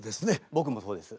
僕もそうです。